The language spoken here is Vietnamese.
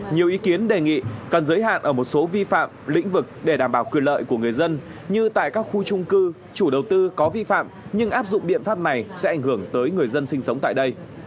nhiều ý kiến đề nghị cần giới hạn ở một số vi phạm lĩnh vực để đảm bảo quyền lợi của người dân như tại các khu trung cư chủ đầu tư có vi phạm nhưng áp dụng biện pháp này sẽ ảnh hưởng tới người dân sinh sống tại đây